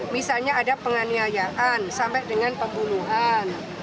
misalnya ada penganiayaan sampai dengan pembunuhan